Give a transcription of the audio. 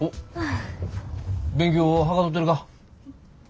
勉強ははかどってるか？